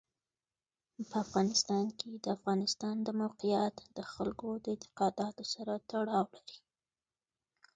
په افغانستان کې د افغانستان د موقعیت د خلکو د اعتقاداتو سره تړاو لري.